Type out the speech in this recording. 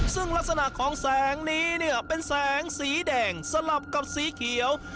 ซึ่งลักษณะของแสงนี้เนี่ยเป็นแสงสีแดงสลับกับสีเขียว